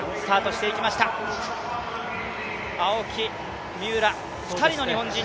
青木、三浦、２人の日本人。